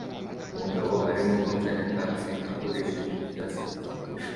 Umugabo arimo guca nyakatsi akoresheje ibyatsi bitukura